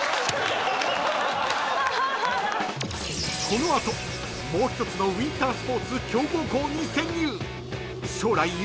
［この後もう一つのウインタースポーツ強豪校に潜入！］